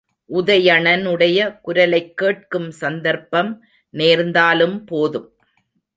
உதயணனுடைய குரலைக் கேட்கும் சந்தர்ப்பம் நேர்ந்தாலும் போதும்.